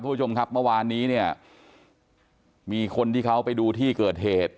ผู้ชมครับเมื่อวานนี้เนี่ยมีคนที่เขาไปดูที่เกิดเหตุ